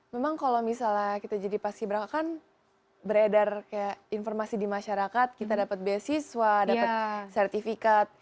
memang kalau misalnya kita jadi paski beraka kan beredar kayak informasi di masyarakat kita dapat beasiswa dapat sertifikat